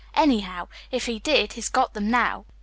Anyhow, if he did, he's got them now.